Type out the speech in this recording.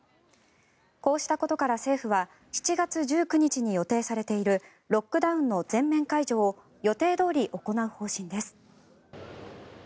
こうしたことから政府は７月１９日に予定されているロックダウンの全面解除を予定どおり行う方針です。